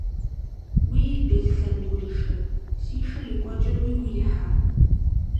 Уий, Беслъэн гурышэ, си шым и кӀуэкӀэр уигу ирихьа?